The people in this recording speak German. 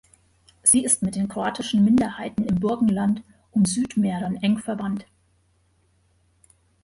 Sie ist mit den kroatischen Minderheiten im Burgenland und Südmähren eng verwandt.